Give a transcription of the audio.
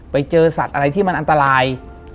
ไปเจอสัตว์อะไรที่มันอันตราย